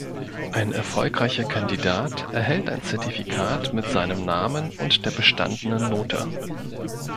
Ein erfolgreicher Kandidat erhält ein Zertifikat mit seinem Namen und der bestandenen Note.